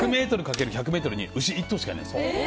１００ｍ×１００ｍに牛１頭しかいないんです。